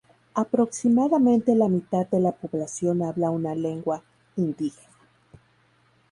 Aproximadamente la mitad de la población habla una lengua indígena.